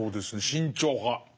慎重派。